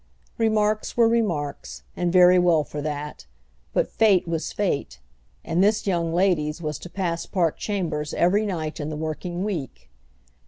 Remarks were remarks, and very well for that; but fate was fate, and this young lady's was to pass Park Chambers every night in the working week.